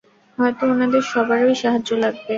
হয়তো ওনাদের সবারই সাহায্য লাগবে।